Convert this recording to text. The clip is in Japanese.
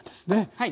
はい。